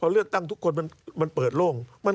การเลือกตั้งครั้งนี้แน่